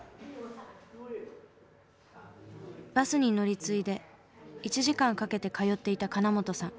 バスに乗り継いで１時間かけて通っていた金本さん。